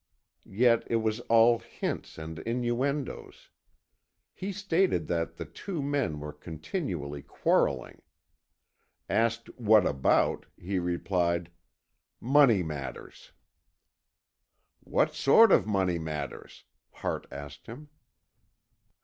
Yet it was all hints and innuendoes. He stated that the two men were continually quarrelling. Asked what about, he replied "Money matters." "What sort of money matters?" Hart asked him.